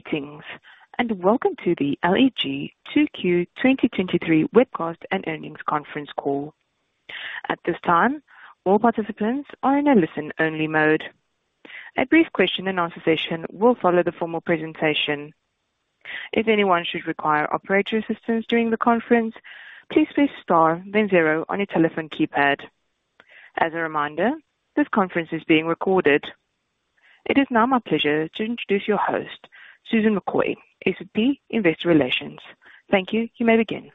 Greetings, and welcome to the LEG 2Q 2023 webcast and earnings conference call. At this time, all participants are in a listen-only mode. A brief question-and-answer session will follow the formal presentation. If anyone should require operator assistance during the conference, please press star then zero on your telephone keypad. As a reminder, this conference is being recorded. It is now my pleasure to introduce your host, Susan McCoy, SVP, Investor Relations. Thank you. You may begin.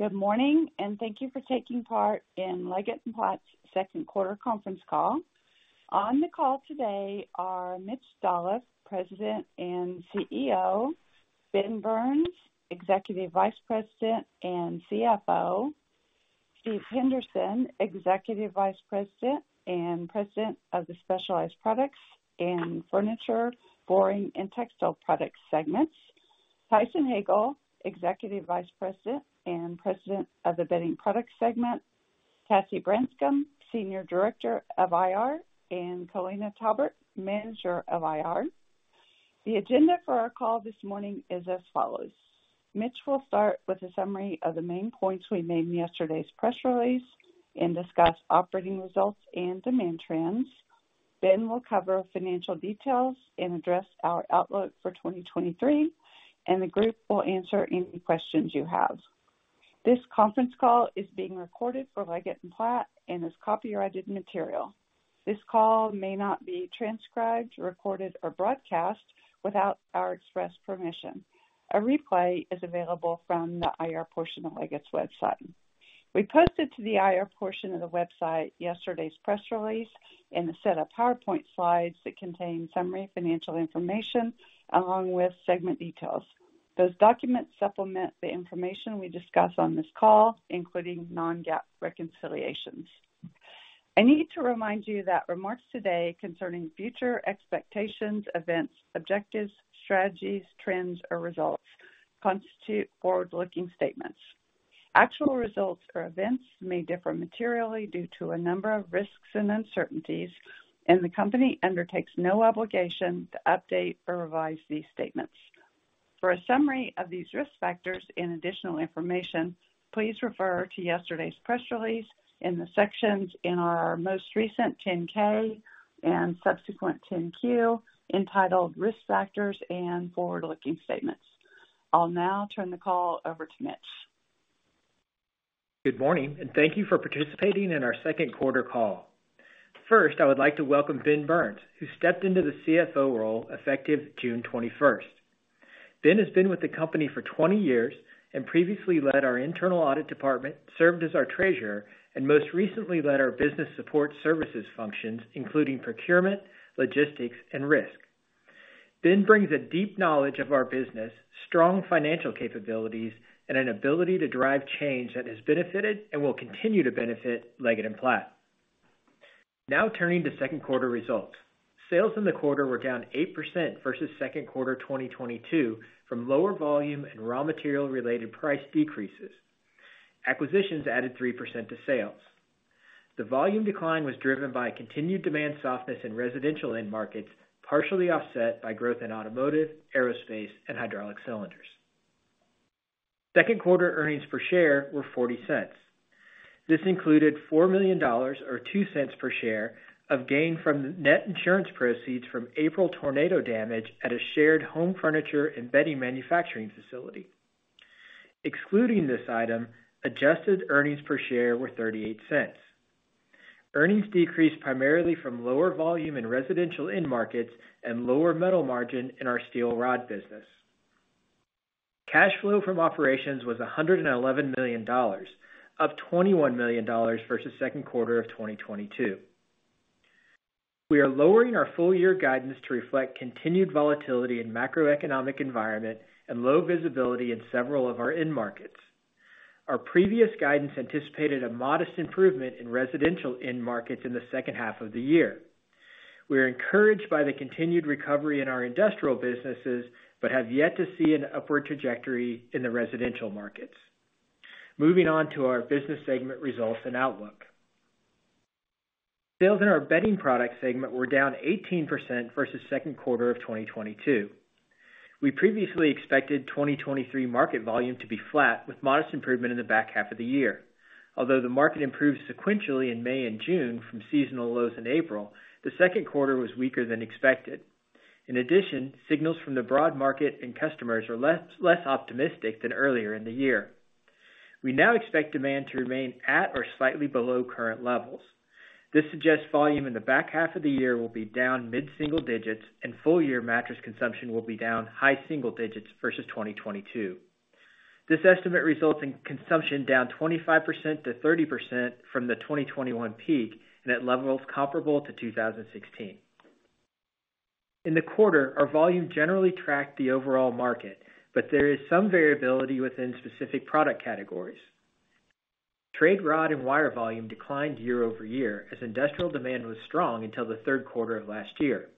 Good morning. Thank you for taking part in Leggett & Platt's second quarter conference call. On the call today are Mitch Dolloff, President and CEO, Ben Burns, Executive Vice President and CFO, Steve Henderson, Executive Vice President and President of the Specialized Products and Furniture, Flooring, and Textile Products segments, Tyson Hagale, Executive Vice President and President of the Bedding Products segment, Cassie Branscum, Senior Director of IR, and Kolina Talbert, Manager of IR. The agenda for our call this morning is as follows: Mitch will start with a summary of the main points we made in yesterday's press release and discuss operating results and demand trends. Ben will cover financial details and address our outlook for 2023, and the group will answer any questions you have. This conference call is being recorded for Leggett & Platt and is copyrighted material. This call may not be transcribed, recorded, or broadcast without our express permission. A replay is available from the IR portion of Leggett's website. We posted to the IR portion of the website yesterday's press release and a set of PowerPoint slides that contain summary financial information along with segment details. Those documents supplement the information we discuss on this call, including non-GAAP reconciliations. I need to remind you that remarks today concerning future expectations, events, objectives, strategies, trends, or results constitute forward-looking statements. Actual results or events may differ materially due to a number of risks and uncertainties, and the Company undertakes no obligation to update or revise these statements. For a summary of these risk factors and additional information, please refer to yesterday's press release in the sections in our most recent 10-K and subsequent 10-Q, entitled Risk Factors and Forward-Looking Statements. I'll now turn the call over to Mitch. Good morning. Thank you for participating in our second quarter call. First, I would like to welcome Ben Burns, who stepped into the CFO role effective June 21st. Ben has been with the company for 20 years and previously led our internal audit department, served as our Treasurer, and most recently, led our business support services functions, including procurement, logistics, and risk. Ben brings a deep knowledge of our business, strong financial capabilities, and an ability to drive change that has benefited and will continue to benefit Leggett & Platt. Turning to second quarter results. Sales in the quarter were down 8% versus second quarter 2022 from lower volume and raw material-related price decreases. Acquisitions added 3% to sales. The volume decline was driven by continued demand softness in residential end markets, partially offset by growth in automotive, aerospace, and hydraulic cylinders. Second quarter earnings per share were $0.40. This included $4 million, or $0.02 per share, of gain from net insurance proceeds from April tornado damage at a shared home furniture and bedding manufacturing facility. Excluding this item, adjusted earnings per share were $0.38. Earnings decreased primarily from lower volume in residential end markets and lower metal margin in our steel rod business. Cash flow from operations was $111 million, up $21 million versus second quarter of 2022. We are lowering our full year guidance to reflect continued volatility in macroeconomic environment and low visibility in several of our end markets. Our previous guidance anticipated a modest improvement in residential end markets in the second half of the year. We are encouraged by the continued recovery in our industrial businesses, have yet to see an upward trajectory in the residential markets. Moving on to our business segment results and outlook. Sales in our Bedding Products segment were down 18% versus second quarter of 2022. We previously expected 2023 market volume to be flat, with modest improvement in the back half of the year. Although the market improved sequentially in May and June from seasonal lows in April, the second quarter was weaker than expected. In addition, signals from the broad market and customers are less, less optimistic than earlier in the year. We now expect demand to remain at or slightly below current levels. This suggests volume in the back half of the year will be down mid-single digits, and full year mattress consumption will be down high-single digits versus 2022. This estimate results in consumption down 25%-30% from the 2021 peak and at levels comparable to 2016. In the quarter, our volume generally tracked the overall market, but there is some variability within specific product categories. Trade rod and wire volume declined year-over-year as industrial demand was strong until the third quarter of last year.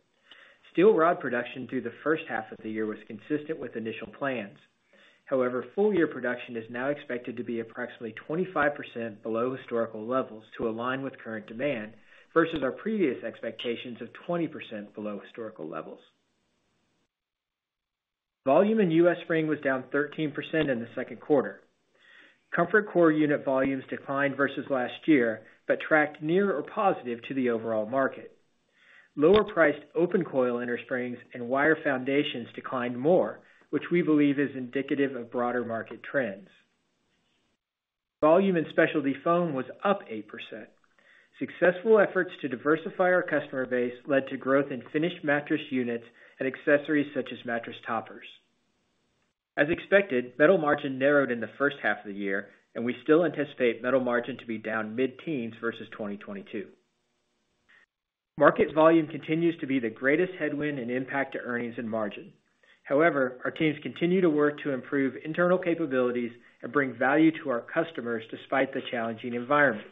Steel rod production through the first half of the year was consistent with initial plans. However, full year production is now expected to be approximately 25% below historical levels to align with current demand, versus our previous expectations of 20% below historical levels. Volume in U.S. Spring was down 13% in the second quarter. ComfortCore unit volumes declined versus last year, but tracked near or positive to the overall market. Lower priced open coil innersprings and wire foundations declined more, which we believe is indicative of broader market trends. Volume in specialty foam was up 8%. Successful efforts to diversify our customer base led to growth in finished mattress units and accessories, such as mattress toppers. As expected, metal margin narrowed in the first half of the year. We still anticipate metal margin to be down mid-teens versus 2022. Market volume continues to be the greatest headwind and impact to earnings and margin. However, our teams continue to work to improve internal capabilities and bring value to our customers despite the challenging environment.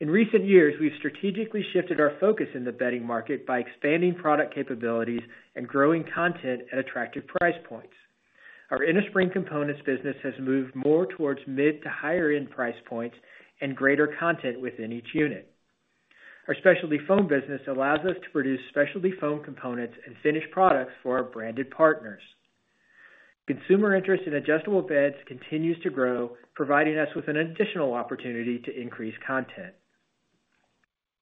In recent years, we've strategically shifted our focus in the bedding market by expanding product capabilities and growing content at attractive price points. Our Innerspring Components business has moved more towards mid to higher end price points and greater content within each unit. Our Specialty Foam business allows us to produce specialty foam components and finished products for our branded partners. Consumer interest in adjustable beds continues to grow, providing us with an additional opportunity to increase content.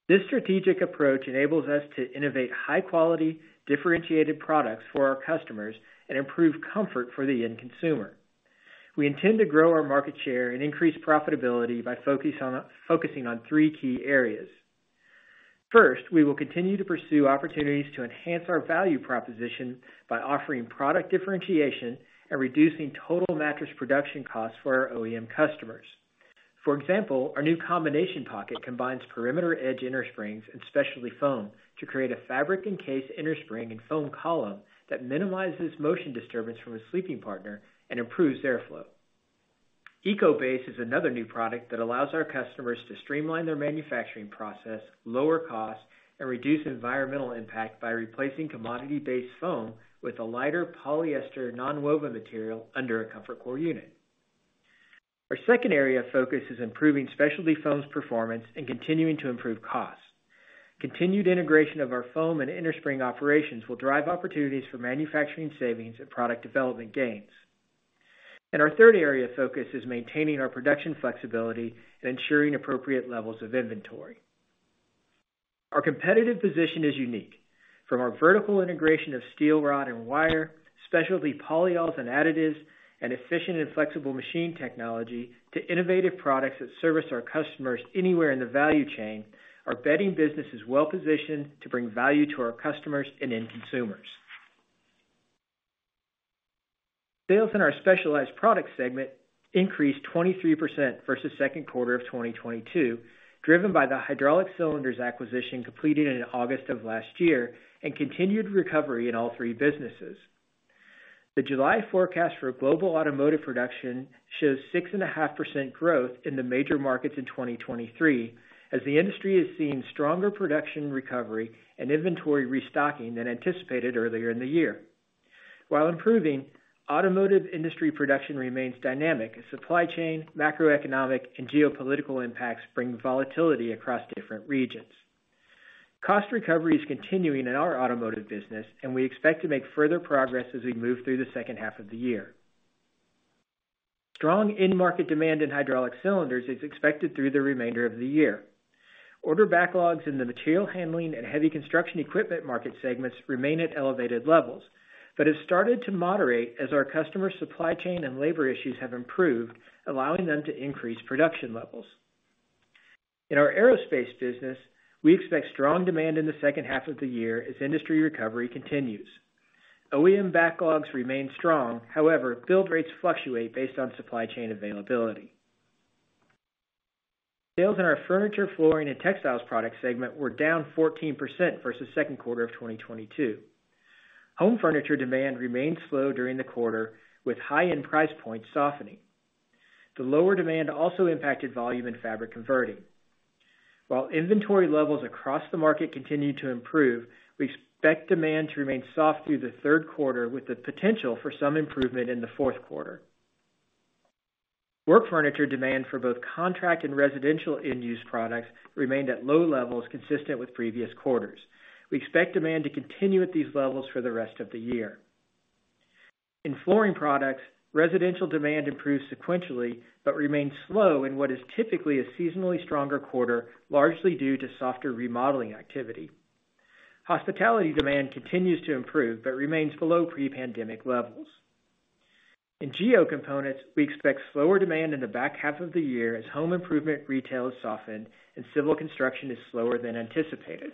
This strategic approach enables us to innovate high quality, differentiated products for our customers and improve comfort for the end consumer. We intend to grow our market share and increase profitability by focusing on three key areas. First, we will continue to pursue opportunities to enhance our value proposition by offering product differentiation and reducing total mattress production costs for our OEM customers. For example, our new Combination Pocket combines Perimeter Edge innersprings and specialty foam to create a fabric-encased innerspring and foam column that minimizes motion disturbance from a sleeping partner and improves airflow. Eco-Base is another new product that allows our customers to streamline their manufacturing process, lower costs, and reduce environmental impact by replacing commodity-based foam with a lighter polyester nonwoven material under a ComfortCore unit. Our second area of focus is improving specialty foam's performance and continuing to improve costs. Continued integration of our foam and innerspring operations will drive opportunities for manufacturing savings and product development gains. Our third area of focus is maintaining our production flexibility and ensuring appropriate levels of inventory. Our competitive position is unique. From our vertical integration of steel rod and wire, specialty polyols and additives, and efficient and flexible machine technology to innovative products that service our customers anywhere in the value chain, our Bedding business is well positioned to bring value to our customers and end consumers. Sales in our Specialized Products segment increased 23% versus second quarter of 2022, driven by the hydraulic cylinders acquisition completed in August of last year, and continued recovery in all three businesses. The July forecast for global automotive production shows 6.5% growth in the major markets in 2023, as the industry is seeing stronger production recovery and inventory restocking than anticipated earlier in the year. While improving, automotive industry production remains dynamic as supply chain, macroeconomic, and geopolitical impacts bring volatility across different regions. Cost recovery is continuing in our Automotive business, and we expect to make further progress as we move through the second half of the year. Strong end market demand in hydraulic cylinders is expected through the remainder of the year. Order backlogs in the material handling and heavy construction equipment market segments remain at elevated levels, but have started to moderate as our customer supply chain and labor issues have improved, allowing them to increase production levels. In our Aerospace business, we expect strong demand in the second half of the year as industry recovery continues. OEM backlogs remain strong, however, bill rates fluctuate based on supply chain availability. Sales in our Furniture, Flooring & Textile Products segment were down 14% versus second quarter of 2022. Home furniture demand remained slow during the quarter, with high-end price points softening. The lower demand also impacted volume and fabric converting. While inventory levels across the market continue to improve, we expect demand to remain soft through the third quarter, with the potential for some improvement in the fourth quarter. Work furniture demand for both contract and residential end-use products remained at low levels, consistent with previous quarters. We expect demand to continue at these levels for the rest of the year. In flooring products, residential demand improved sequentially, but remained slow in what is typically a seasonally stronger quarter, largely due to softer remodeling activity. Hospitality demand continues to improve, but remains below pre-pandemic levels. In Geo Components, we expect slower demand in the back half of the year as home improvement retail has softened and civil construction is slower than anticipated.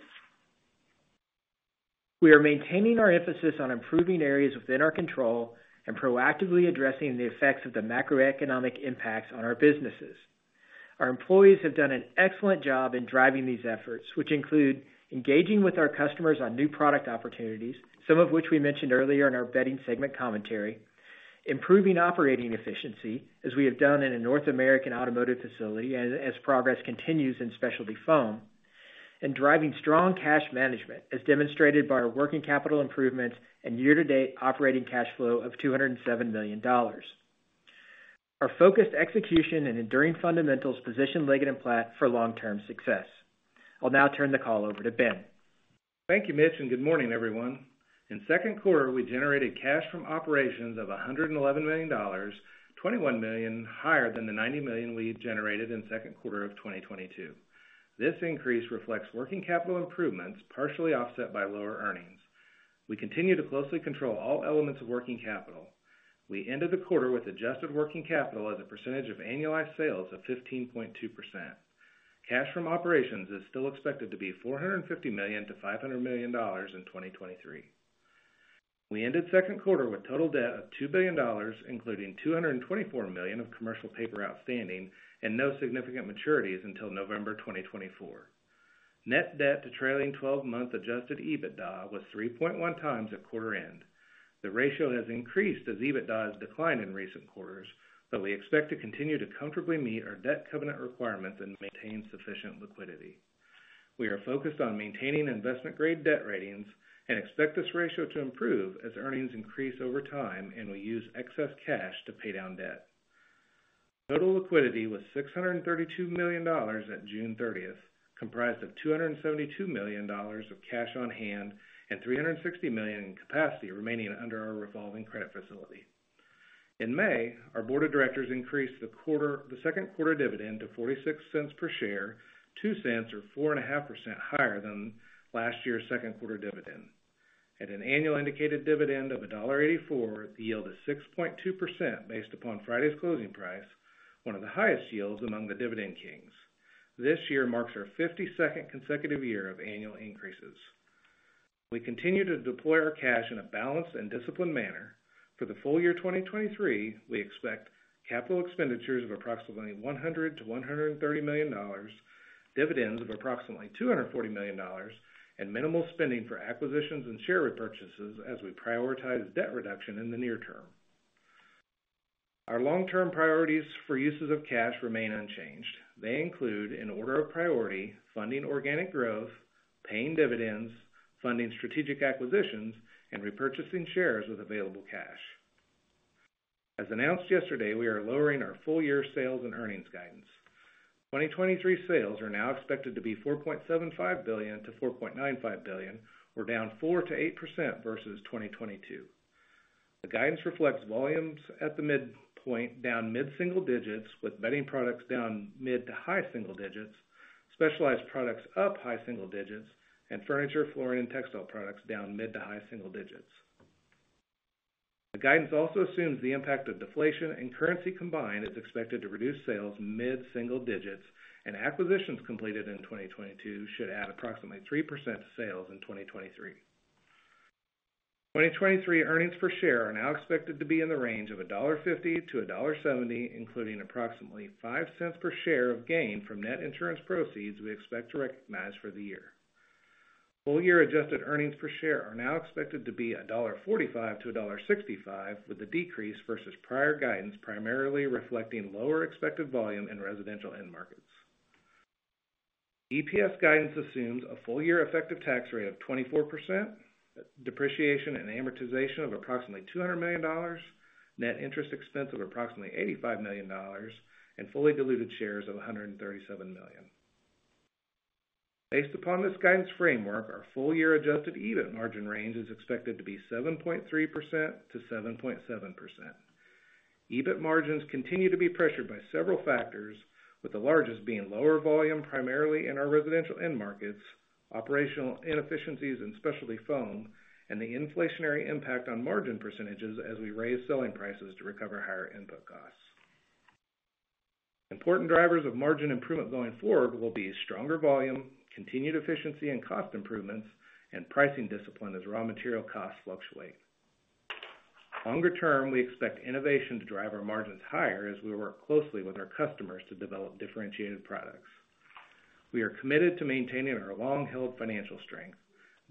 We are maintaining our emphasis on improving areas within our control and proactively addressing the effects of the macroeconomic impacts on our businesses. Our employees have done an excellent job in driving these efforts, which include engaging with our customers on new product opportunities, some of which we mentioned earlier in our Bedding Products segment commentary, improving operating efficiency, as we have done in a North American automotive facility and as progress continues in specialty foam, and driving strong cash management, as demonstrated by our working capital improvements and year-to-date operating cash flow of $207 million. Our focused execution and enduring fundamentals position Leggett & Platt for long-term success. I'll now turn the call over to Ben. Thank you, Mitch, and good morning, everyone. In second quarter, we generated cash from operations of $111 million, $21 million higher than the $90 million we generated in second quarter of 2022. This increase reflects working capital improvements, partially offset by lower earnings. We continue to closely control all elements of working capital. We ended the quarter with adjusted working capital as a percentage of annualized sales of 15.2%. Cash from operations is still expected to be $450 million-$500 million in 2023. We ended second quarter with total debt of $2 billion, including $224 million of commercial paper outstanding and no significant maturities until November 2024. Net debt to trailing 12-month Adjusted EBITDA was 3.1 times at quarter end. The ratio has increased as EBITDA has declined in recent quarters. We expect to continue to comfortably meet our debt covenant requirements and maintain sufficient liquidity. We are focused on maintaining investment-grade debt ratings and expect this ratio to improve as earnings increase over time, and we use excess cash to pay down debt. Total liquidity was $632 million at June 30th, comprised of $272 million of cash on hand and $360 million in capacity remaining under our revolving credit facility. In May, our board of directors increased the second quarter dividend to $0.46 per share, $0.02 or 4.5% higher than last year's second quarter dividend. At an annual indicated dividend of $1.84, the yield is 6.2% based upon Friday's closing price, one of the highest yields among the Dividend Kings. This year marks our 52nd consecutive year of annual increases. We continue to deploy our cash in a balanced and disciplined manner. For the full year 2023, we expect capital expenditures of approximately $100 million-$130 million, dividends of approximately $240 million, and minimal spending for acquisitions and share repurchases as we prioritize debt reduction in the near term. Our long-term priorities for uses of cash remain unchanged. They include, in order of priority: funding organic growth, paying dividends, funding strategic acquisitions, and repurchasing shares with available cash. As announced yesterday, we are lowering our full-year sales and earnings guidance. 2023 sales are now expected to be $4.75 billion-$4.95 billion, or down 4%-8% versus 2022. The guidance reflects volumes at the midpoint, down mid-single digits, with Bedding Products down mid to high single digits, Specialized Products up high single digits, and Furniture, Flooring & Textile Products down mid to high single digits. The guidance also assumes the impact of deflation and currency combined is expected to reduce sales mid-single digits, and acquisitions completed in 2022 should add approximately 3% to sales in 2023. 2023 earnings per share are now expected to be in the range of $1.50-$1.70, including approximately $0.05 per share of gain from net insurance proceeds we expect to recognize for the year. Full-year adjusted earnings per share are now expected to be $1.45-$1.65, with a decrease versus prior guidance, primarily reflecting lower expected volume in residential end markets. EPS guidance assumes a full-year effective tax rate of 24%, depreciation and amortization of approximately $200 million, net interest expense of approximately $85 million, and fully diluted shares of 137 million. Based upon this guidance framework, our full-year Adjusted EBIT margin range is expected to be 7.3%-7.7%. EBIT margins continue to be pressured by several factors, with the largest being lower volume, primarily in our residential end markets, operational inefficiencies in specialty foam, and the inflationary impact on margin percentages as we raise selling prices to recover higher input costs. Important drivers of margin improvement going forward will be stronger volume, continued efficiency and cost improvements, and pricing discipline as raw material costs fluctuate. Longer term, we expect innovation to drive our margins higher as we work closely with our customers to develop differentiated products. We are committed to maintaining our long-held financial strength.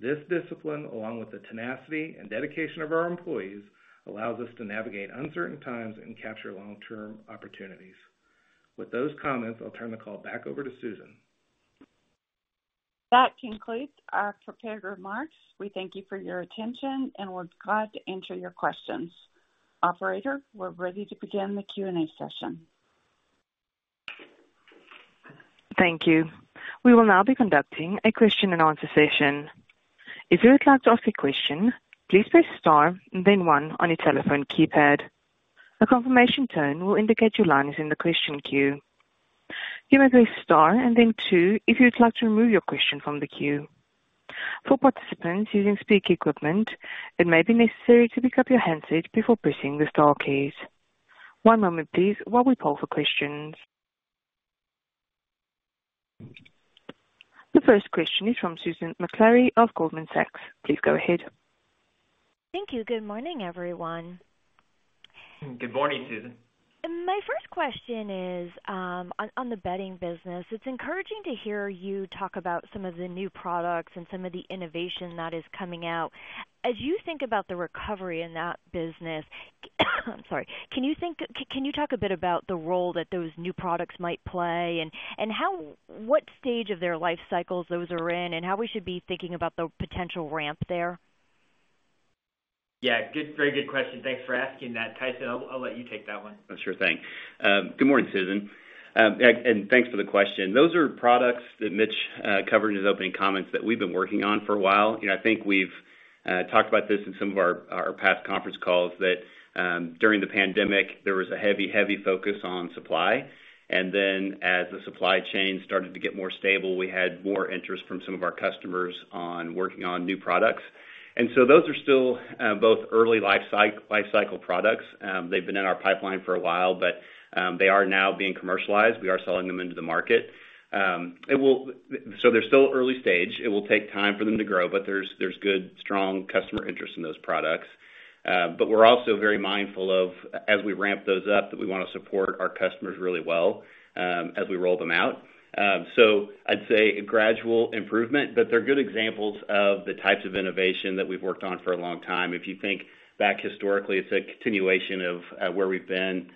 This discipline, along with the tenacity and dedication of our employees, allows us to navigate uncertain times and capture long-term opportunities. With those comments, I'll turn the call back over to Susan. That concludes our prepared remarks. We thank you for your attention, we're glad to answer your questions. Operator, we're ready to begin the Q&A session. Thank you. We will now be conducting a question-and-answer session. If you would like to ask a question, please press star and then one on your telephone keypad. A confirmation tone will indicate your line is in the question queue. You may press star and then two if you'd like to remove your question from the queue. For participants using speak equipment, it may be necessary to pick up your handset before pressing the star keys. One moment please while we poll for questions. The first question is from Susan Maklari of Goldman Sachs. Please go ahead. Thank you. Good morning, everyone. Good morning, Susan. My first question is on the Bedding Products business. It's encouraging to hear you talk about some of the new products and some of the innovation that is coming out. As you think about the recovery in that business, I'm sorry, can you talk a bit about the role that those new products might play and how, what stage of their life cycles those are in, and how we should be thinking about the potential ramp there? Yeah, good, very good question. Thanks for asking that. Tyson, I'll, I'll let you take that one. Oh, sure thing. Good morning, Susan, and thanks for the question. Those are products that Mitch covered in his opening comments that we've been working on for a while. You know, I think we've talked about this in some of our past conference calls, that during the pandemic, there was a heavy, heavy focus on supply, and then as the supply chain started to get more stable, we had more interest from some of our customers on working on new products. Those are still both early life cycle products. They've been in our pipeline for a while, they are now being commercialized. We are selling them into the market. They're still early stage. It will take time for them to grow, there's good, strong customer interest in those products. We're also very mindful of, as we ramp those up, that we wanna support our customers really well, as we roll them out. I'd say a gradual improvement, but they're good examples of the types of innovation that we've worked on for a long time. If you think back historically, it's a continuation of, where we've been,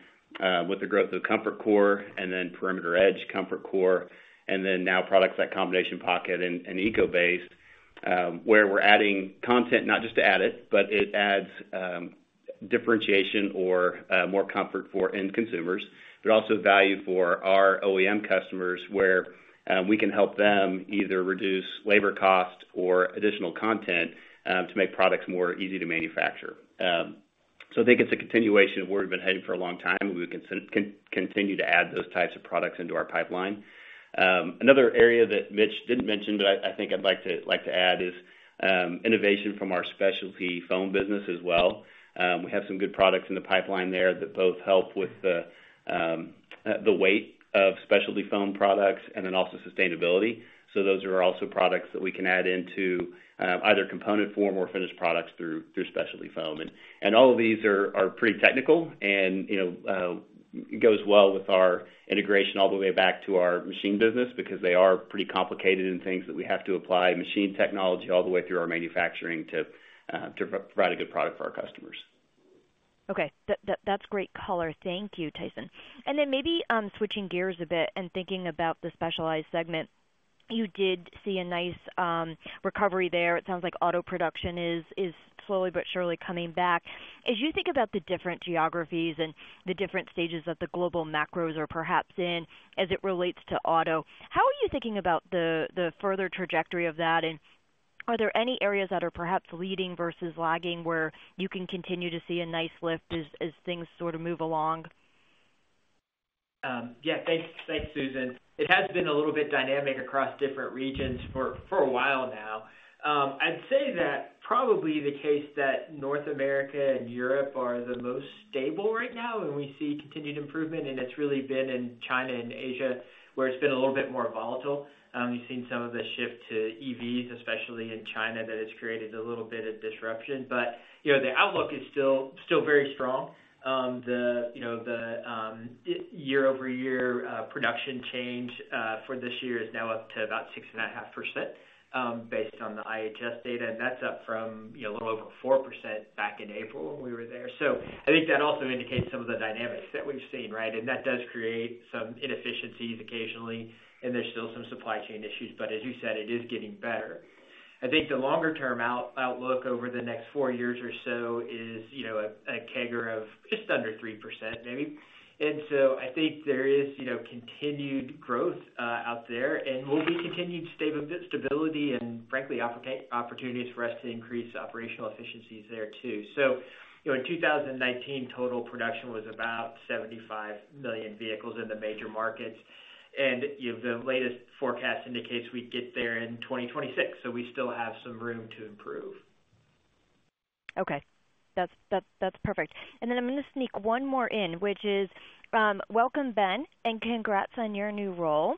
with the growth of ComfortCore and then Perimeter Edge, ComfortCore, and then now products like Combination Pocket and, and Eco-Base, where we're adding content, not just to add it, but it adds, differentiation or, more comfort for end consumers, but also value for our OEM customers, where, we can help them either reduce labor costs or additional content, to make products more easy to manufacture. I think it's a continuation of where we've been heading for a long time, and we continue to add those types of products into our pipeline. Another area that Mitch didn't mention, but I, I think I'd like to, like to add, is, innovation from our Specialty Foam business as well. We have some good products in the pipeline there that both help with the weight of specialty foam products and then also sustainability. Those are also products that we can add into, either component form or finished products through, through specialty foam. All of these are, are pretty technical and, you know, goes well with our integration all the way back to our Machine business because they are pretty complicated in things that we have to apply machine technology all the way through our manufacturing to, to provide a good product for our customers. Okay. That, that, that's great color. Thank you, Tyson. Maybe switching gears a bit and thinking about the Specialized segment. You did see a nice recovery there. It sounds like auto production is, is slowly but surely coming back. As you think about the different geographies and the different stages that the global macros are perhaps in, as it relates to auto, how are you thinking about the, the further trajectory of that? Are there any areas that are perhaps leading versus lagging, where you can continue to see a nice lift as, as things sort of move along? Yeah. Thanks, thanks, Susan. It has been a little bit dynamic across different regions for, for a while now. I'd say that probably the case that North America and Europe are the most stable right now, and we see continued improvement, and it's really been in China and Asia, where it's been a little bit more volatile. You've seen some of the shift to EVs, especially in China, that has created a little bit of disruption. You know, the outlook is still, still very strong. The, you know, year-over-year production change for this year is now up to about 6.5%, based on the IHS data, and that's up from, you know, a little over 4% back in April when we were there. I think that also indicates some of the dynamics that we've seen, right? That does create some inefficiencies occasionally, and there's still some supply chain issues. As you said, it is getting better. I think the longer term outlook over the next four years or so is, you know, a CAGR of just under 3%, maybe. I think there is, you know, continued growth out there and will be continued stability and frankly, opportunities for us to increase operational efficiencies there, too. In 2019, total production was about 75 million vehicles in the major markets, and, you know, the latest forecast indicates we'd get there in 2026, so we still have some room to improve. Okay. That's, that's, that's perfect. I'm gonna sneak one more in, which is: Welcome, Ben, and congrats on your new role.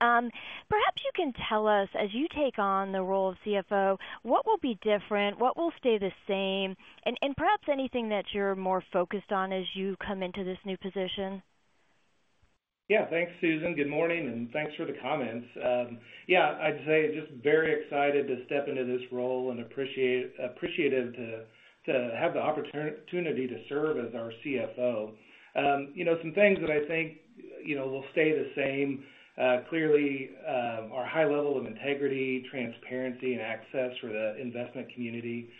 Perhaps you can tell us, as you take on the role of CFO, what will be different, what will stay the same, and, and perhaps anything that you're more focused on as you come into this new position? Yeah. Thanks, Susan. Good morning, and thanks for the comments. Yeah, I'd say just very excited to step into this role and appreciated to have the opportunity to serve as our CFO. You know, some things that I think, you know, will stay the same, clearly, our high level of integrity, transparency, and access for the investment community.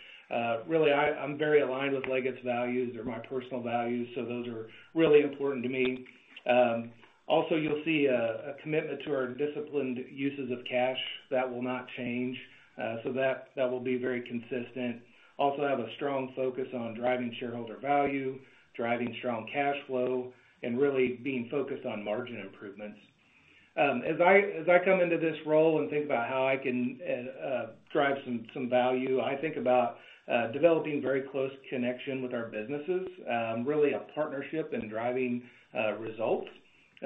Really, I'm very aligned with Leggett's values. They're my personal values, so those are really important to me. Also, you'll see a commitment to our disciplined uses of cash. That will not change, so that will be very consistent. Also, I have a strong focus on driving shareholder value, driving strong cash flow, and really being focused on margin improvements. As I, as I come into this role and think about how I can drive some, some value, I think about developing very close connection with our businesses, really a partnership in driving results.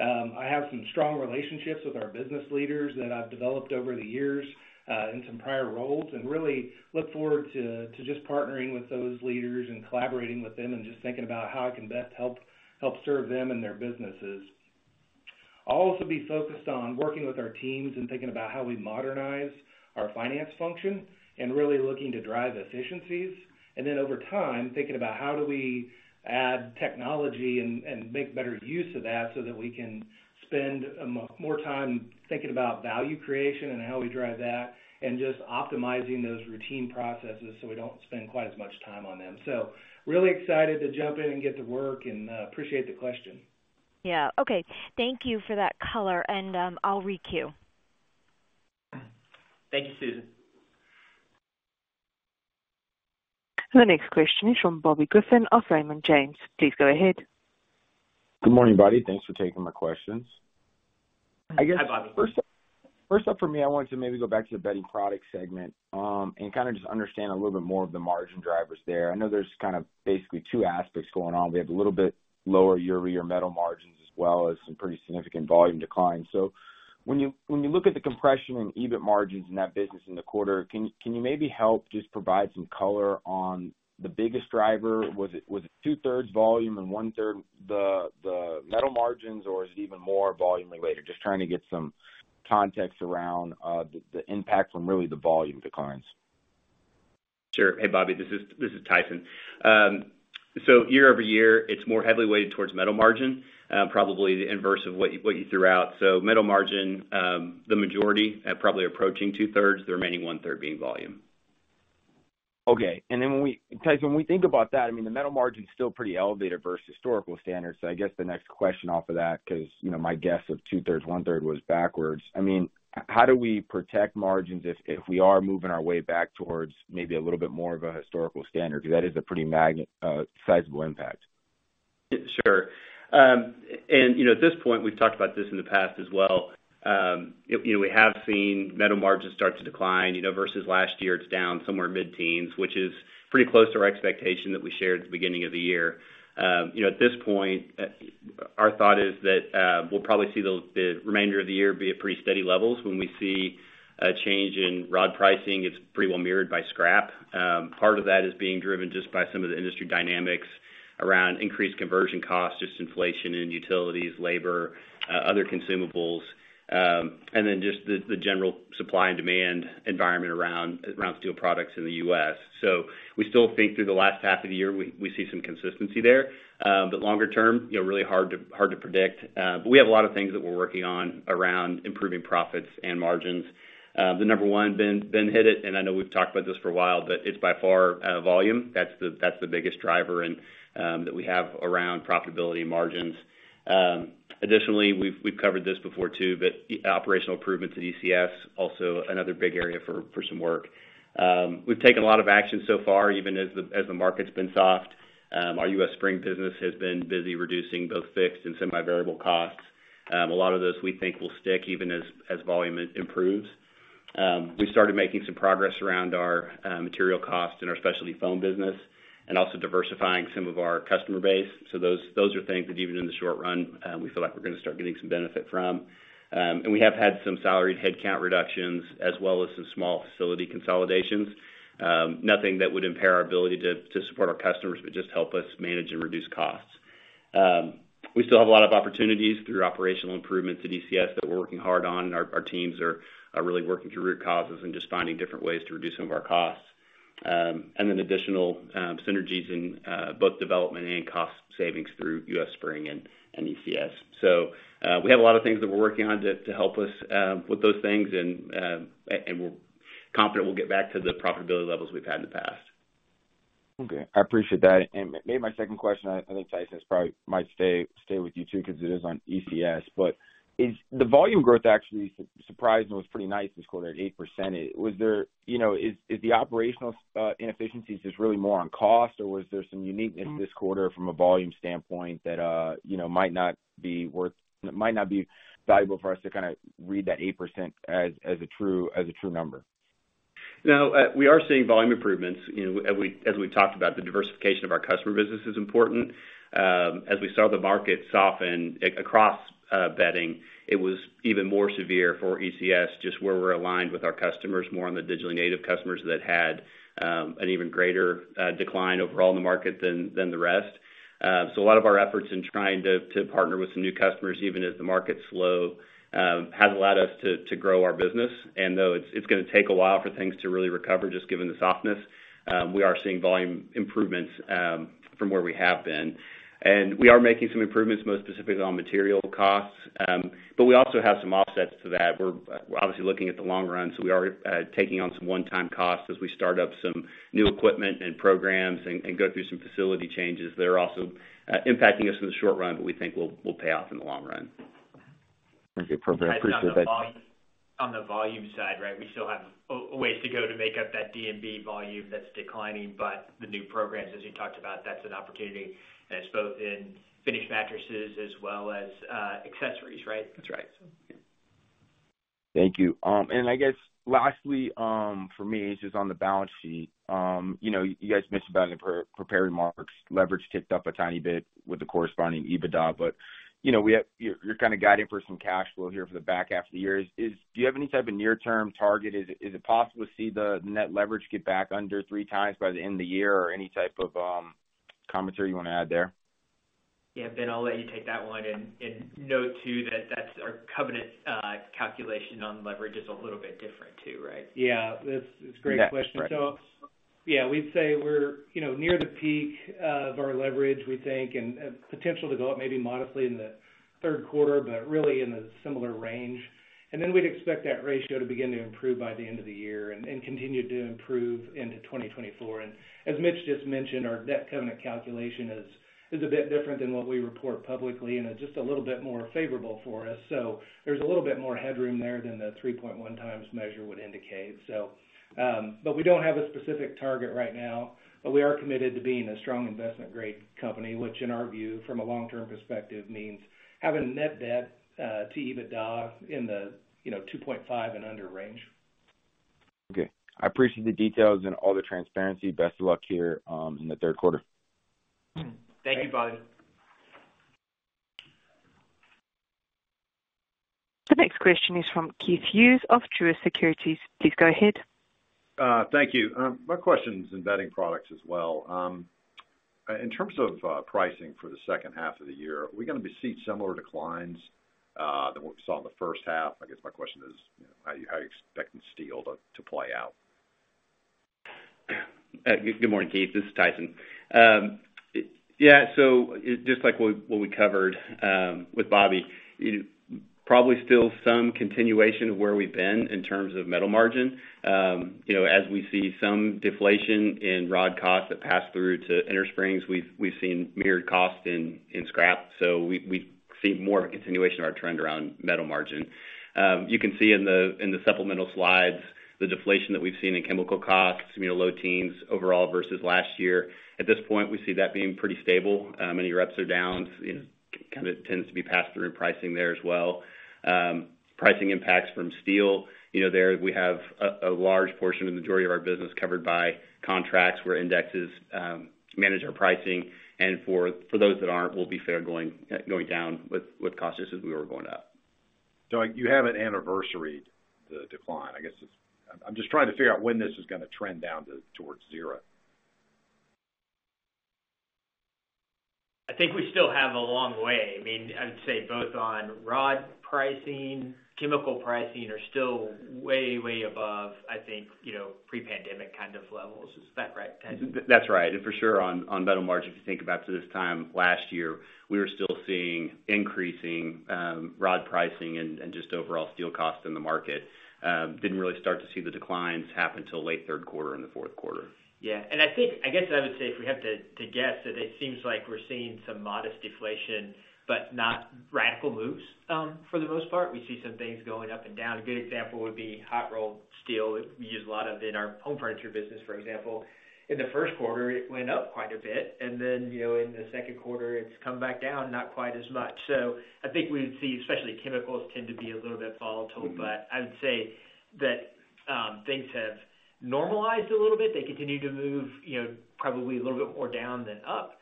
I have some strong relationships with our business leaders that I've developed over the years, in some prior roles, and really look forward to, to just partnering with those leaders and collaborating with them and just thinking about how I can best help, help serve them and their businesses. I'll also be focused on working with our teams and thinking about how we modernize our finance function and really looking to drive efficiencies, and then over time, thinking about how do we add technology and make better use of that, so that we can spend more time thinking about value creation and how we drive that, and just optimizing those routine processes so we don't spend quite as much time on them. Really excited to jump in and get to work and appreciate the question. Yeah. Okay, thank you for that color, and I'll requeue. Thank you, Susan. The next question is from Bobby Griffin of Raymond James. Please go ahead. Good morning, everybody. Thanks for taking my questions. Hi, Bobby. I guess, first, first up for me, I wanted to maybe go back to the Bedding Products segment, and kind of just understand a little bit more of the margin drivers there. I know there's kind of basically two aspects going on. We have a little bit lower year-over-year metal margins, as well as some pretty significant volume declines. So when you, when you look at the compression and EBIT margins in that business in the quarter, can, can you maybe help just provide some color on the biggest driver? Was it, was it two thirds volume and one third the, the metal margins, or is it even more volume related? Just trying to get some context around the, the impact from really the volume declines. Sure. Hey, Bobby, this is, this is Tyson. Year-over-year, it's more heavily weighted towards metal margin, probably the inverse of what you, what you threw out. Metal margin, the majority, probably approaching 2/3, the remaining 1/3 being volume. Okay. When we-- Tyson, when we think about that, I mean, the metal margin is still pretty elevated versus historical standards. I guess the next question off of that, because, you know, my guess of 2/3, 1/3 was backwards. I mean, how do we protect margins if, if we are moving our way back towards maybe a little bit more of a historical standard? Because that is a pretty sizable impact. Sure. You know, at this point, we've talked about this in the past as well. You know, we have seen metal margins start to decline, you know, versus last year, it's down somewhere mid-teens, which is pretty close to our expectation that we shared at the beginning of the year. You know, at this point, our thought is that we'll probably see those, the remainder of the year be at pretty steady levels. When we see a change in rod pricing, it's pretty well mirrored by scrap. Part of that is being driven just by some of the industry dynamics around increased conversion costs, just inflation in utilities, labor, other consumables, and then just the, the general supply and demand environment around, around steel products in the U.S. We still think through the last half of the year, we, we see some consistency there. But longer term, you know, really hard to, hard to predict. But we have a lot of things that we're working on around improving profits and margins. The number one, Ben, Ben hit it, and I know we've talked about this for a while, but it's by far, volume. That's the, that's the biggest driver and, that we have around profitability margins. Additionally, we've, we've covered this before, too, but operational improvements at ECS, also another big area for, for some work. We've taken a lot of action so far, even as the, as the market's been soft. Our U.S. Spring business has been busy reducing both fixed and some variable costs. A lot of those we think will stick even as, as volume i- improves. We started making some progress around our material costs in our Specialty Foam business and also diversifying some of our customer base. Those, those are things that, even in the short run, we feel like we're going to start getting some benefit from. We have had some salaried headcount reductions as well as some small facility consolidations. Nothing that would impair our ability to, to support our customers, but just help us manage and reduce costs. We still have a lot of opportunities through operational improvements at ECS that we're working hard on. Our, our teams are, are really working through root causes and just finding different ways to reduce some of our costs. Then additional synergies in both development and cost savings through U.S. Spring and ECS. We have a lot of things that we're working on to help us with those things, and we're confident we'll get back to the profitability levels we've had in the past. Okay, I appreciate that. Maybe my second question, I think, Tyson, probably might stay with you, too, because it is on ECS, but is the volume growth actually surprising? It was pretty nice this quarter at 8%. You know, is the operational inefficiencies just really more on cost, or was there some uniqueness this quarter from a volume standpoint that, you know, might not be valuable for us to kind of read that 8% as a true, as a true number? We are seeing volume improvements. You know, as we, as we talked about, the diversification of our customer business is important. As we saw the market soften across bedding, it was even more severe for ECS, just where we're aligned with our customers, more on the digitally native customers that had an even greater decline overall in the market than, than the rest. A lot of our efforts in trying to, to partner with some new customers, even as the market's slow, has allowed us to, to grow our business. Though it's, it's going to take a while for things to really recover, just given the softness, we are seeing volume improvements from where we have been. We are making some improvements, most specifically on material costs, but we also have some offsets to that. We're, we're obviously looking at the long run, so we are, taking on some one-time costs as we start up some new equipment and programs and, and go through some facility changes that are also, impacting us in the short run, but we think will, will pay off in the long run. Thank you for that. I appreciate that. On the volume, on the volume side, right, we still have a ways to go to make up that DMB volume that's declining, but the new programs, as you talked about, that's an opportunity, and it's both in finished mattresses as well as accessories, right? That's right. Thank you. And I guess lastly, for me, it's just on the balance sheet. You know, you guys mentioned about it in your pre-prepared remarks, leverage ticked up a tiny bit with the corresponding EBITDA, but, you know, you're, you're kind of guiding for some cash flow here for the back half of the year. Is, do you have any type of near-term target? Is it possible to see the net leverage get back under 3x by the end of the year, or any type of commentary you want to add there? Yeah, Ben, I'll let you take that one, and note, too, that that's our covenant calculation on leverage is a little bit different, too, right? Yeah, that's a great question. Right. Yeah, we'd say we're, you know, near the peak of our leverage, we think, and, and potential to go up maybe modestly in the third quarter, but really in a similar range. We'd expect that ratio to begin to improve by the end of the year and continue to improve into 2024. As Mitch just mentioned, our debt covenant calculation is, is a bit different than what we report publicly, and it's just a little bit more favorable for us. There's a little bit more headroom there than the 3.1x measure would indicate. We don't have a specific target right now, but we are committed to being a strong investment-grade company, which, in our view, from a long-term perspective, means having a net debt to EBITDA in the, you know, 2.5 and under range. Okay, I appreciate the details and all the transparency. Best of luck here, in the third quarter. Thank you, Bobby. The next question is from Keith Hughes of Truist Securities. Please go ahead. Thank you. My question's in Bedding Products as well. In terms of pricing for the second half of the year, are we gonna be seeing similar declines than what we saw in the first half? I guess my question is, how are you, how are you expecting steel to play out? Good morning, Keith. This is Tyson. Just like what we covered with Bobby, probably still some continuation of where we've been in terms of metal margin. You know, as we see some deflation in rod costs that pass through to innersprings, we've seen mirrored costs in scrap, so we see more continuation of our trend around metal margin. You can see in the supplemental slides, the deflation that we've seen in chemical costs, you know, low teens overall versus last year. At this point, we see that being pretty stable. Any reps or downs, you know, kinda tends to be passed through in pricing there as well. Pricing impacts from steel, you know, there we have a large portion of the majority of our business covered by contracts where indexes, manage our pricing, and for those that aren't, will be fair going down with cautious as we were going up. You have an anniversary, the decline, I guess I'm just trying to figure out when this is gonna trend down to towards zero? I think we still have a long way. I mean, I'd say both on rod pricing, chemical pricing are still way, way above, I think, you know, pre-pandemic kind of levels. Is that right, Tyson? That's right. For sure, on, on metal margins, if you think back to this time last year, we were still seeing increasing, rod pricing and just overall steel costs in the market. Didn't really start to see the declines happen till late third quarter and the fourth quarter. Yeah. I think, I guess I would say, if we have to, to guess, that it seems like we're seeing some modest deflation, but not radical moves. For the most part, we see some things going up and down. A good example would be hot rolled steel, which we use a lot of in our Home Furniture business, for example. In the first quarter, it went up quite a bit, and then, you know, in the second quarter, it's come back down, not quite as much. I think we'd see, especially chemicals tend to be a little bit volatile. I would say that, things have normalized a little bit. They continue to move, you know, probably a little bit more down than up,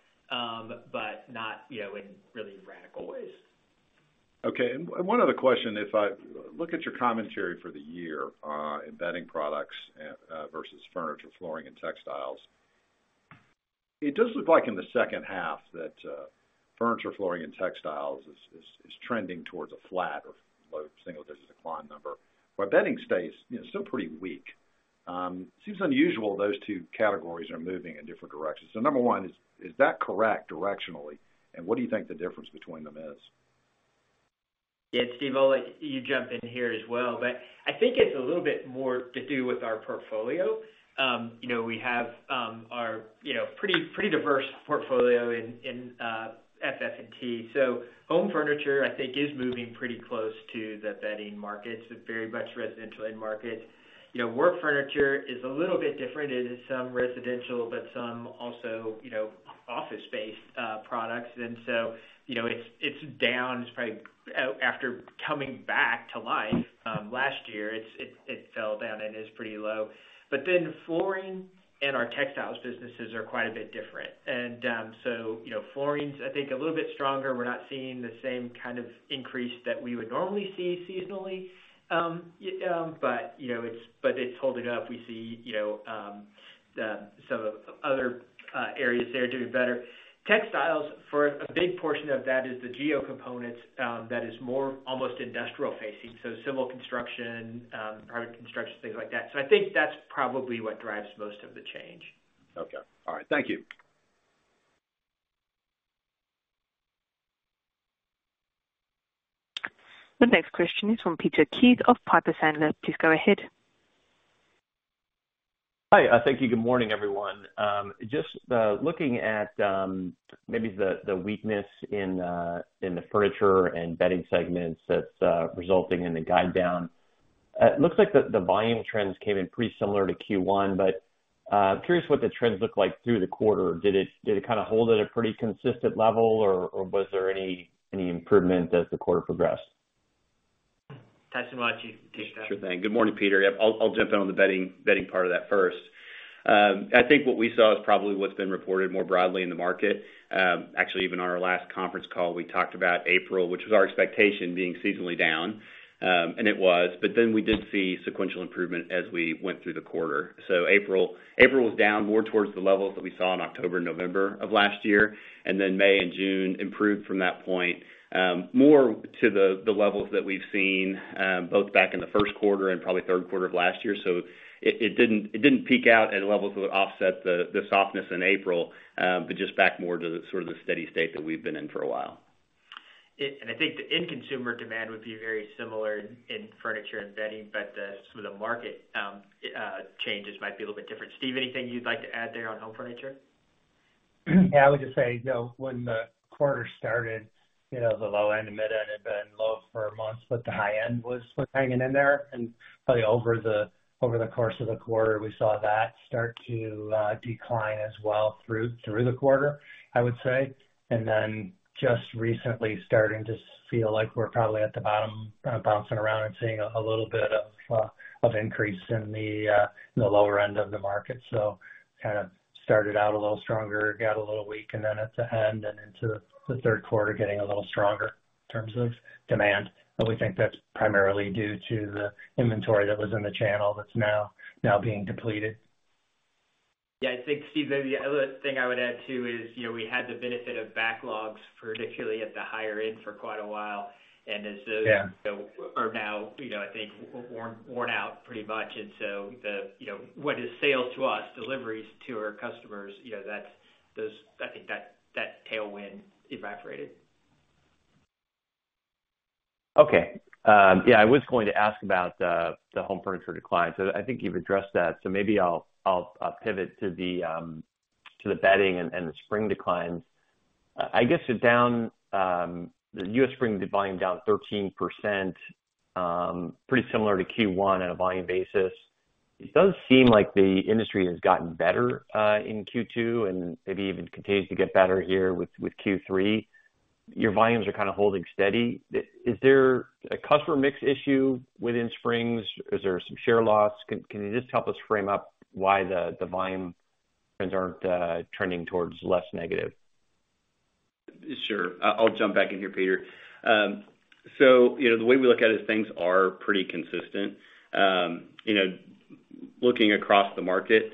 but not, you know, in really radical ways. Okay, 1 other question. If I look at your commentary for the year on Bedding Products versus Furniture, Flooring & Textile Products, it does look like in the second half that Furniture, Flooring & Textile Products is, is, is trending towards a flat or low single-digit decline number, but Bedding stays, you know, still pretty weak. Seems unusual those two categories are moving in different directions. Number 1, is, is that correct directionally, and what do you think the difference between them is? Yeah, Steve, I'll let you jump in here as well, I think it's a little bit more to do with our portfolio. You know, we have, our, you know, pretty, pretty diverse portfolio in, in FF&T. Home furniture, I think, is moving pretty close to the bedding markets, very much residential end market. You know, work furniture is a little bit different. It is some residential, some also, you know, office space, products. You know, it's, it's down. It's probably, after coming back to life, last year, it's, it, it fell down and is pretty low. Flooring and our Textiles businesses are quite a bit different. You know, Flooring is, I think, a little bit stronger. We're not seeing the same kind of increase that we would normally see seasonally. You know, it's holding up. We see, you know, some, some other areas there doing better. Textiles, for a big portion of that is the Geo Components, that is more almost industrial facing, so civil construction, private construction, things like that. I think that's probably what drives most of the change. Okay. All right. Thank you. The next question is from Peter Keith of Piper Sandler. Please go ahead. Hi. Thank you. Good morning, everyone. Just looking at maybe the weakness in the furniture and bedding segments that's resulting in the guide down. It looks like the volume trends came in pretty similar to Q1, but curious what the trends looked like through the quarter. Did it, did it kinda hold at a pretty consistent level, or was there any improvement as the quarter progressed? Tyson, why don't you take that? Sure thing. Good morning, Peter. Yep, I'll, I'll jump in on the bedding, bedding part of that first. I think what we saw is probably what's been reported more broadly in the market. Actually, even on our last conference call, we talked about April, which was our expectation being seasonally down, and it was, but then we did see sequential improvement as we went through the quarter. April, April was down more towards the levels that we saw in October, November of last year, and then May and June improved from that point, more to the, the levels that we've seen, both back in the first quarter and probably third quarter of last year. It, it didn't, it didn't peak out at levels that would offset the, the softness in April, but just back more to the sort of the steady state that we've been in for a while. I think the end consumer demand would be very similar in furniture and bedding, but the market changes might be a little bit different. Steve, anything you'd like to add there on home furniture? Yeah, I would just say, you know, when the quarter started, you know, the low end, the mid-end had been low for months, but the high end was hanging in there. Probably over the, over the course of the quarter, we saw that start to decline as well through, through the quarter, I would say. Then just recently starting to feel like we're probably at the bottom, bouncing around and seeing a little bit of increase in the lower end of the market. Kind of started out a little stronger, got a little weak, and then at the end and into the third quarter, getting a little stronger in terms of demand. We think that's primarily due to the inventory that was in the channel that's now, now being depleted. Yeah, I think, Steve, the other thing I would add, too, is, you know, we had the benefit of backlogs, particularly at the higher end, for quite a while. Yeah. As those are now, you know, I think, worn, worn out pretty much. So the, you know, what is sales to us, deliveries to our customers, you know, I think that, that tailwind evaporated. Okay. Yeah, I was going to ask about the, the home furniture decline, so I think you've addressed that. Maybe I'll, I'll, I'll pivot to the, to the bedding and, and the spring declines. I guess, it down, the U.S. Spring volume down 13%, pretty similar to Q1 on a volume basis. It does seem like the industry has gotten better in Q2 and maybe even continues to get better here with, with Q3. Your volumes are kind of holding steady. Is there a customer mix issue within springs? Is there some share loss? Can, can you just help us frame up why the, the volume trends aren't trending towards less negative? Sure. I, I'll jump back in here, Peter. You know, the way we look at it, things are pretty consistent. You know, looking across the market,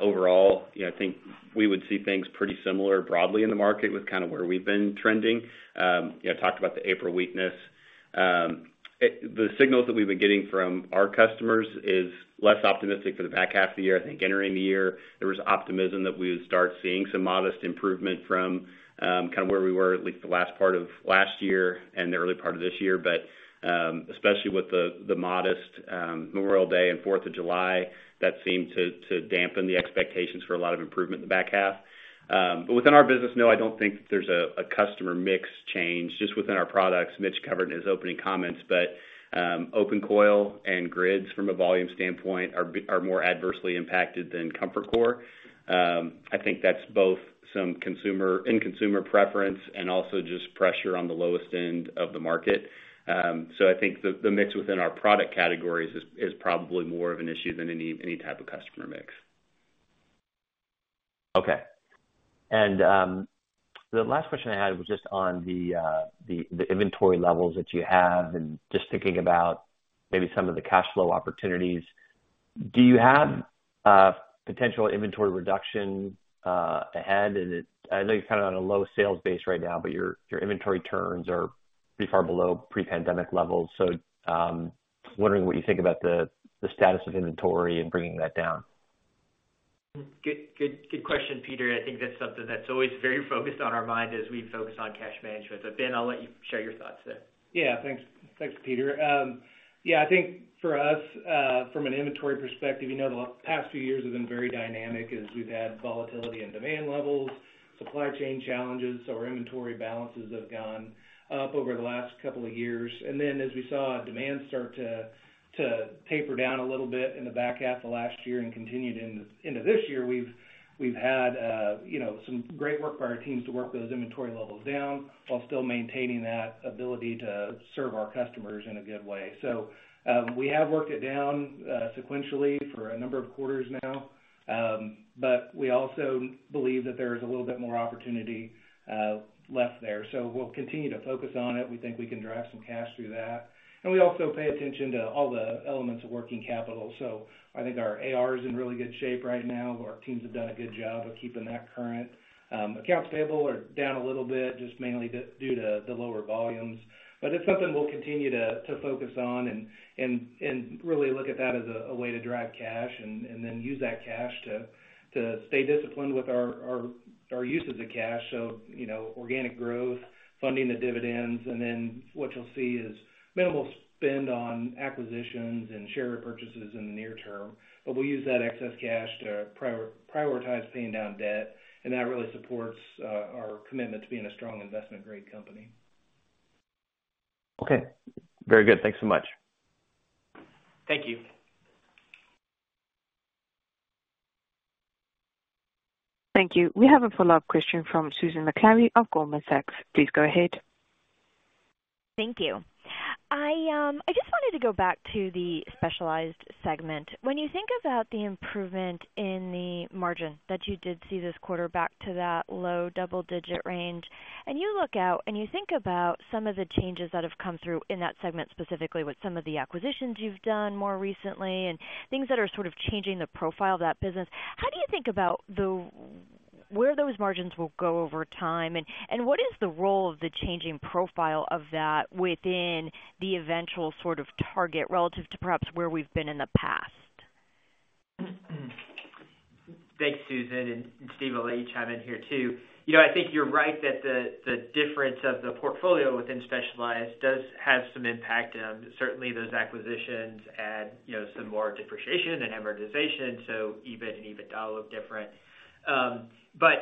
overall, you know, I think we would see things pretty similar broadly in the market with kind of where we've been trending. You know, talked about the April weakness. The signals that we've been getting from our customers is less optimistic for the back half of the year. I think entering the year, there was optimism that we would start seeing some modest improvement from, kind of where we were, at least the last part of last year and the early part of this year. Especially with the, the modest, Memorial Day and Fourth of July, that seemed to, to dampen the expectations for a lot of improvement in the back half. But within our business, no, I don't think there's a, a customer mix change just within our products. Mitch covered in his opening comments, open coil and grids from a volume standpoint are more adversely impacted than ComfortCore. I think that's both some consumer and consumer preference and also just pressure on the lowest end of the market. I think the, the mix within our product categories is, is probably more of an issue than any, any type of customer mix. Okay. The last question I had was just on the, the, the inventory levels that you have and just thinking about maybe some of the cash flow opportunities. Do you have potential inventory reduction ahead? I know you're kind of on a low sales base right now, but your, your inventory turns are pretty far below pre-pandemic levels. Wondering what you think about the, the status of inventory and bringing that down. Good, good, good question, Peter. I think that's something that's always very focused on our mind as we focus on cash management. Ben, I'll let you share your thoughts there. Yeah, thanks. Thanks, Peter. Yeah, I think for us, from an inventory perspective, you know, the past few years have been very dynamic as we've had volatility in demand levels, supply chain challenges. Our inventory balances have gone up over the last couple of years. As we saw demand start to taper down a little bit in the back half of last year and continued into this year, we've had, you know, some great work by our teams to work those inventory levels down, while still maintaining that ability to serve our customers in a good way. We have worked it down sequentially for a number of quarters now. We also believe that there is a little bit more opportunity left there. We'll continue to focus on it. We think we can drive some cash through that. And we also pay attention to all the elements of working capital. I think our AR is in really good shape right now. Our teams have done a good job of keeping that current. Accounts payable are down a little bit, just mainly due to the lower volumes. It's something we'll continue to focus on and really look at that as a way to drive cash and then use that cash to stay disciplined with our use of the cash. You know, organic growth, funding the dividends, and then what you'll see is minimal spend on acquisitions and share repurchases in the near term. we'll use that excess cash to prioritize paying down debt, and that really supports our commitment to being a strong investment-grade company. Okay, very good. Thanks so much. Thank you. Thank you. We have a follow-up question from Susan Maklari of Goldman Sachs. Please go ahead. Thank you. I just wanted to go back to the Specialized segment. When you think about the improvement in the margin that you did see this quarter, back to that low double digit range, and you look out and you think about some of the changes that have come through in that segment, specifically with some of the acquisitions you've done more recently, and things that are sort of changing the profile of that business. How do you think about where those margins will go over time? And what is the role of the changing profile of that within the eventual sort of target, relative to perhaps where we've been in the past? Thanks, Susan. Steve, I'll let you chime in here, too. You know, I think you're right, that the, the difference of the portfolio within specialized does have some impact, and certainly those acquisitions add, you know, some more depreciation than amortization, so EBIT and EBITDA look different.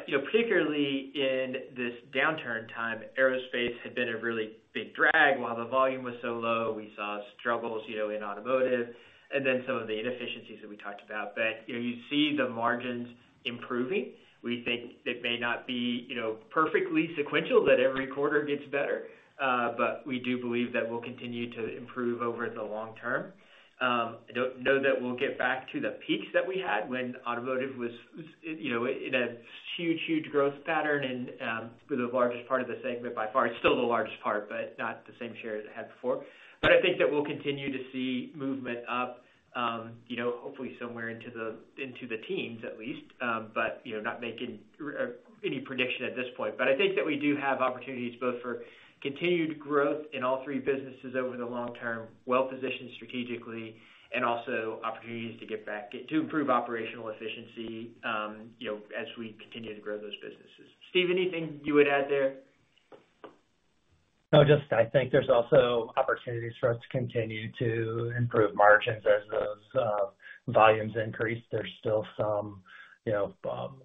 You know, particularly in this downturn time, Aerospace had been a really big drag while the volume was so low. We saw struggles, you know, in automotive and then some of the inefficiencies that we talked about. You know, you see the margins improving. We think it may not be, you know, perfectly sequential, that every quarter gets better, but we do believe that we'll continue to improve over the long term. I don't know that we'll get back to the peaks that we had when automotive was, you know, in a huge, huge growth pattern and the largest part of the segment by far. It's still the largest part, but not the same share as it had before. I think that we'll continue to see movement up, you know, hopefully somewhere into the, into the teens at least, but, you know, not making any prediction at this point. I think that we do have opportunities both for continued growth in all three businesses over the long term, well-positioned strategically, and also opportunities to improve operational efficiency, you know, as we continue to grow those businesses. Steve, anything you would add there? Just I think there's also opportunities for us to continue to improve margins as those volumes increase. There's still some, you know,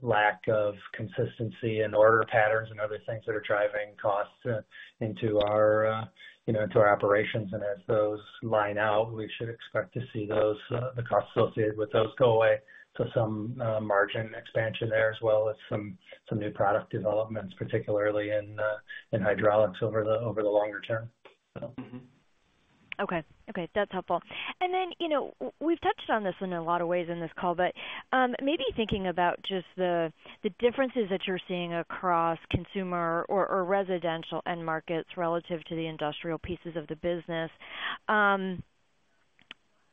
lack of consistency in order patterns and other things that are driving costs into our, you know, into our operations. As those line out, we should expect to see those the costs associated with those go away. Some margin expansion there, as well as some, some new product developments, particularly in hydraulics over the, over the longer term. Okay. Okay, that's helpful. You know, we've touched on this in a lot of ways in this call, but maybe thinking about just the, the differences that you're seeing across consumer or, or residential end markets relative to the industrial pieces of the business.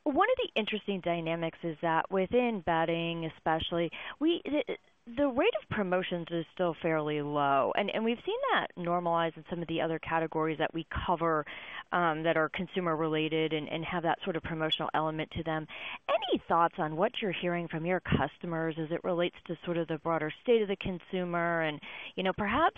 One of the interesting dynamics is that within bedding, especially, we, the, the rate of promotions is still fairly low, and, and we've seen that normalize in some of the other categories that we cover, that are consumer related and, and have that sort of promotional element to them. Any thoughts on what you're hearing from your customers as it relates to sort of the broader state of the consumer and, you know, perhaps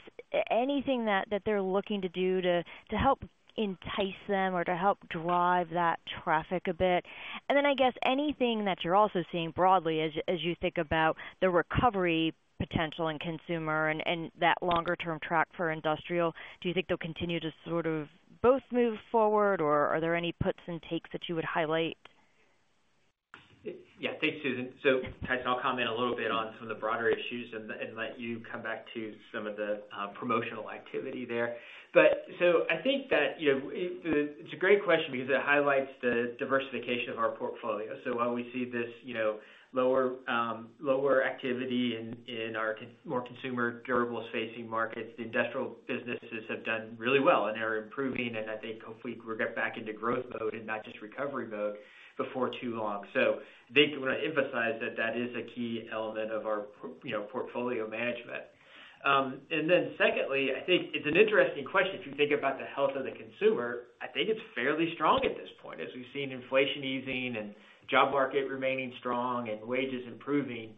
anything that, that they're looking to do to, to help entice them or to help drive that traffic a bit? I guess, anything that you're also seeing broadly as, as you think about the recovery potential in consumer and, and that longer term track for industrial. Do you think they'll continue to sort of both move forward, or are there any puts and takes that you would highlight? Yeah. Thanks, Susan. Tyson, I'll comment a little bit on some of the broader issues and let you come back to some of the promotional activity there. I think that, you know, it's a great question because it highlights the diversification of our portfolio. While we see this, you know, lower, lower activity in our more consumer durables-facing markets, the industrial businesses have done really well, and they're improving. I think hopefully we'll get back into growth mode and not just recovery mode before too long. I think I want to emphasize that that is a key element of our, you know, portfolio management. Secondly, I think it's an interesting question. If you think about the health of the consumer, I think it's fairly strong at this point, as we've seen inflation easing and job market remaining strong and wages improving.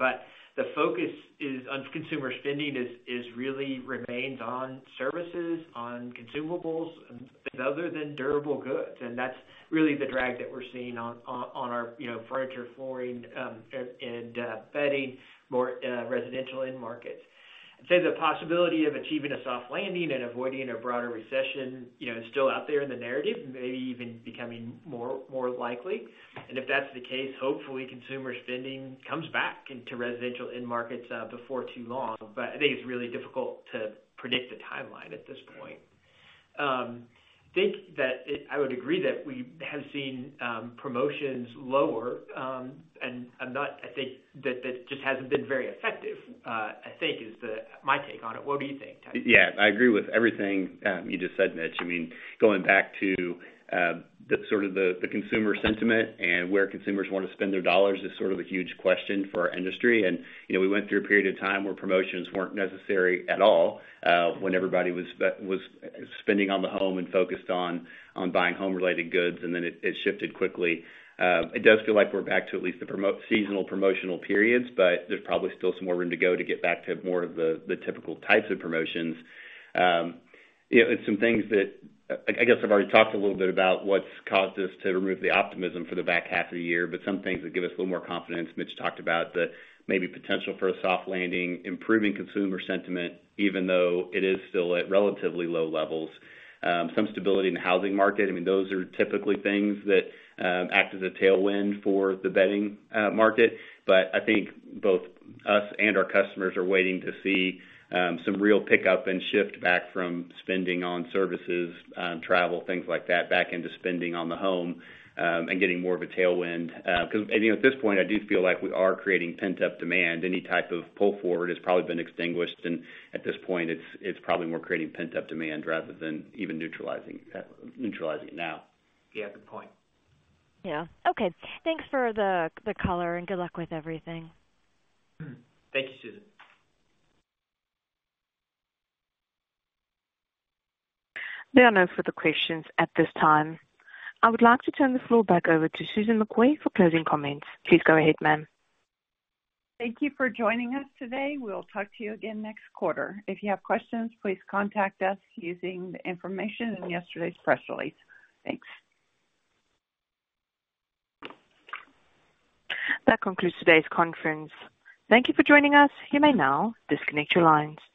The focus is on consumer spending, is really remains on services, on consumables, other than durable goods, and that's really the drag that we're seeing on our, you know, furniture, flooring, and bedding, more residential end markets. I'd say the possibility of achieving a soft landing and avoiding a broader recession, you know, is still out there in the narrative, maybe even becoming more, more likely. If that's the case, hopefully consumer spending comes back into residential end markets, before too long. I think it's really difficult to predict a timeline at this point. I think that it... I would agree that we have seen promotions lower, and I'm not, I think that that just hasn't been very effective, I think is the my take on it. What do you think, Tyson? Yeah, I agree with everything, you just said, Mitch. I mean, going back to, the sort of the, the consumer sentiment and where consumers want to spend their dollars is sort of a huge question for our industry. You know, we went through a period of time where promotions weren't necessary at all, when everybody was spending on the home and focused on, on buying home-related goods, and then it, it shifted quickly. It does feel like we're back to at least the promo- seasonal promotional periods, but there's probably still some more room to go to get back to more of the, the typical types of promotions. You know, some things that, I, I guess I've already talked a little bit about what's caused us to remove the optimism for the back half of the year, some things that give us a little more confidence. Mitch talked about the maybe potential for a soft landing, improving consumer sentiment, even though it is still at relatively low levels. Some stability in the housing market. I mean, those are typically things that act as a tailwind for the bedding market. I think both us and our customers are waiting to see some real pickup and shift back from spending on services, travel, things like that, back into spending on the home, and getting more of a tailwind. Because, you know, at this point, I do feel like we are creating pent-up demand. Any type of pull forward has probably been extinguished, and at this point, it's, it's probably more creating pent-up demand rather than even neutralizing, neutralizing it now. Yeah, good point. Yeah. Okay, thanks for the, the color, and good luck with everything. Thank you, Susan. There are no further questions at this time. I would like to turn the floor back over to Susan McCoy for closing comments. Please go ahead, ma'am. Thank you for joining us today. We'll talk to you again next quarter. If you have questions, please contact us using the information in yesterday's press release. Thanks. That concludes today's conference. Thank you for joining us. You may now disconnect your lines.